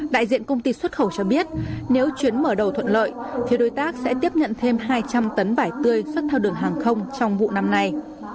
đại diện công ty xuất khẩu cho biết nếu chuyến mở đầu thuận lợi phía đối tác sẽ tiếp nhận thêm hai trăm linh tấn vải tươi xuất theo đường hàng không trong vụ năm nay